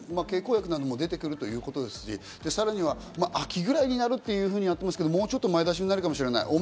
経口薬も出てくるということですし、さらには秋ぐらいになると言われていますが、もうちょっと前倒しになるかもしれない。